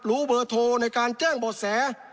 เบอร์โทรในการแจ้งบ่อแส